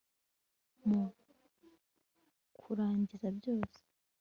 Mu kurangiza byose